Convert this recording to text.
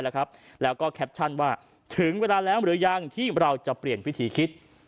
แล้วก็แคปชั่นว่าถึงเวลาแล้วหรือยังที่เราจะเปลี่ยนวิธีคิด